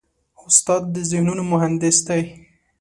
استاد د ذهنونو مهندس دی.